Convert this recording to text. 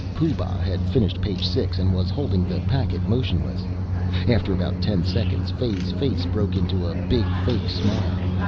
Pooh Bah had finished page six and was holding the packet motionless. After about ten seconds Fay's face broke into a big fake smile.